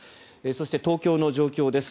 そして、東京の状況です。